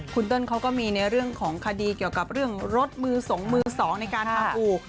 คุณเติ้ลเขาก็มีในเรื่องของคดีเกี่ยวกับเรื่องรถมือสงมือสองในการทำอู่